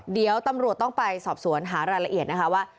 เดี๋ยวตำรวจต้องไปสอบสวนหารายละเอียดนะคะว่า